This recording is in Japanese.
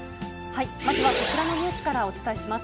まずはこちらのニュースからお伝えします。